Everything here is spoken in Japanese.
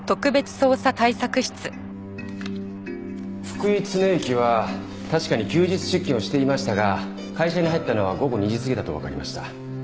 福井常之は確かに休日出勤をしていましたが会社に入ったのは午後２時過ぎだとわかりました。